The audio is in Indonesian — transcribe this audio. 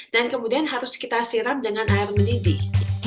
dan kemudian harus kita siram dengan air mendidih